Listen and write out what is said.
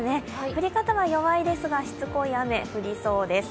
降り方が弱いですが、しつかい雨、降りそうです。